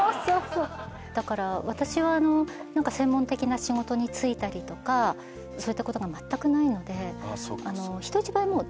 だから私は専門的な仕事に就いたりとかそういったことがまったくないので。